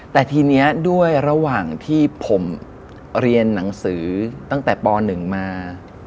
แต่ทีนี้ด้วยระหว่างที่ผมเรียนหนังสือตั้งแต่ป๑มา